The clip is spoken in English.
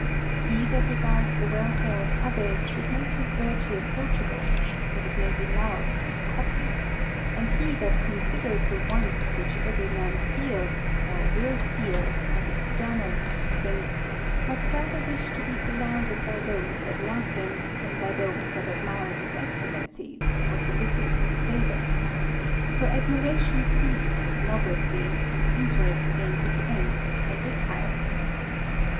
He that regards the welfare of others, ifaould make nis virtue approachable, that it may be loved Kld_EOJUfid ; 3iid he that considers the wants which every; \ man feels, or will feel, of external assistance, must rather t y ish t o be surrounded by those that love him, than by thosC' that admire his excellencies, or soUcit his favours; for idxnkaiion c_ea8es with novelty, and .interest sains its end_ tod re tires.